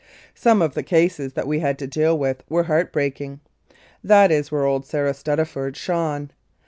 Some of the cases that we had to deal with were heart breaking. That is where old Sarah Stuttaford shone.